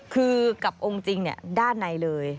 คือกับองค์จริงด้านในเลย